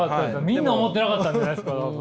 みんな思ってなかったんじゃないですか多分。